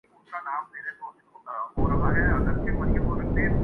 جس نے خلاکو کچرا کنڈی بنایا ہے وہی صاف کرے گا